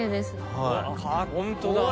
ホントだ。